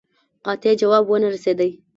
قاطع جواب ونه رسېدی.